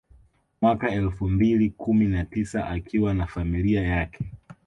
Mwaka elfu mbili kumi na tisa akiwa na familia yake